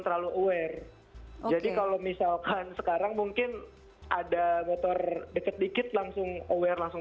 terlalu aware jadi kalau misalkan sekarang mungkin ada motor deket dikit langsung aware langsung